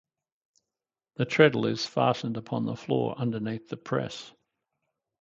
The treadle is fastened upon the floor underneath the press.